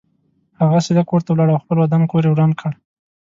هغه سیده کور ته ولاړ او خپل ودان کور یې وران کړ.